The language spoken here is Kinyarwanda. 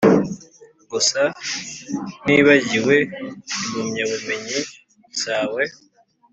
gusa ntibagiwe impamyabumenyi zawe,